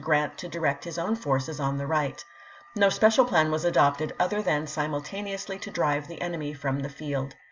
Grant to direct his own forces on the right. No special plan was adopted other than simultane ously to drive the enemy from the field.